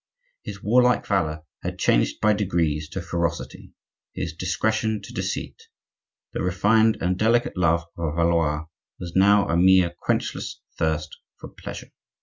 His warlike valor had changed by degrees to ferocity; his discretion to deceit; the refined and delicate love of a Valois was now a mere quenchless thirst for pleasure.